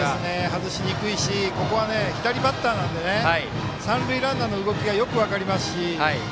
外しにくいしここは左バッターなんで三塁ランナーの動きがよく分かりますし。